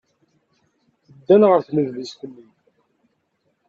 Ddant ɣer tnedlist-nni.